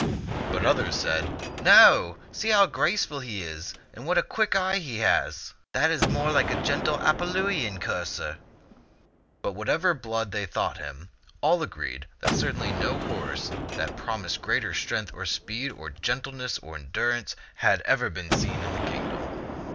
But others said, " No ; see how graceful he is and what a quick eye he has ! That is more like a gentle Apulian courser." But of whatever blood they thought him, all agreed that certainly no horse that promised greater strength or speed or gentleness or endurance had ever been seen in the kingdom.